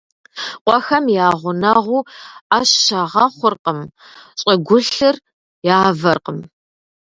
Къуэхэм я гъунэгъуу Ӏэщ щагъэхъуркъым, щӀыгулъыр явэркъым.